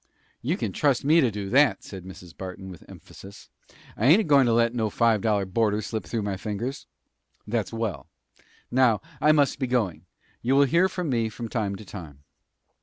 "You can trust me to do that!" said Mrs. Barton, with emphasis. "I ain't goin' to let no five dollar boarder slip through my fingers!" "That's well! Now I must be going. You will hear from me from time to time."